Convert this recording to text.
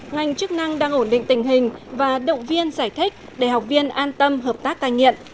ngành chức năng đang ổn định tình hình và động viên giải thích để học viên an tâm hợp tác cai nghiện